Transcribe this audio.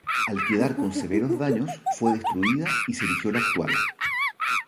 Al quedar con severos daños fue destruida y se erigió la actual.